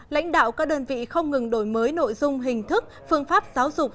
lãnh đạo các đơn vị không ngừng đổi mới nội dung hình thức phương pháp giáo dục